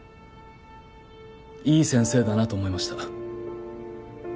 いい先生だなと思いました。